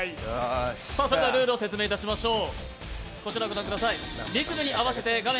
ルールを説明いたしましょう。